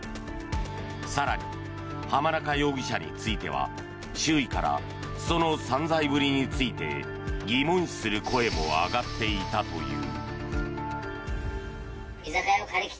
更に濱中容疑者については周囲から、その散財ぶりについて疑問視する声も上がっていたという。